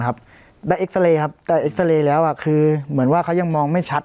ครับได้เอ็กซาเลครับได้เอ็กซาเลแล้วคือเหมือนว่าเขายังมองไม่ชัด